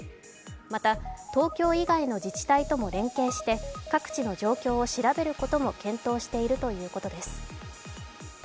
また、東京以外の自治体とも連携して各地の状況を調べることも検討しているということです。